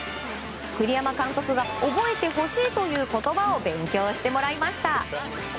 栗山監督が覚えてほしいという言葉を勉強してもらいました。